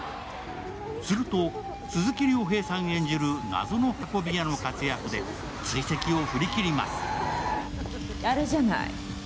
すると、鈴木亮平さん演じる謎の運び屋の活躍で追跡を振り切ります。